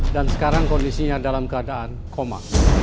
sekarang kondisinya dalam keadaan koma